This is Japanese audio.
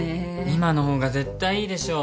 今のほうが絶対いいでしょ。